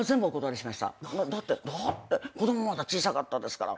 だって子供まだ小さかったですから。